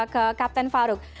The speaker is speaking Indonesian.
ke kapten farouk